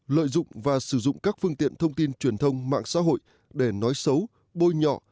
lợi dụng và sử dụng các phương tiện thông tin truyền thông mạng xã hội để nói xấu bôi nhọ